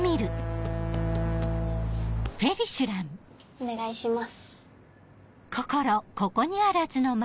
お願いします。